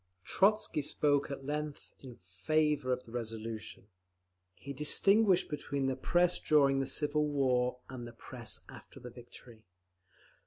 '" Trotzky spoke at length in favour of the resolution. He distinguished between the Press during the civil war, and the Press after the victory.